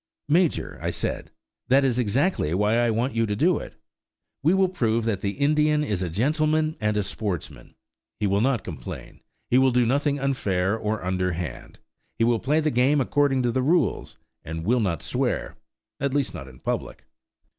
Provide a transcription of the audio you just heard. "Major," I said, "that is exactly why I want you to do it. We will prove that the Indian is a gentleman and a sportsman; he will not complain; he will do nothing unfair or underhand; he will play the game according to the rules, and will not swear at least not in public!"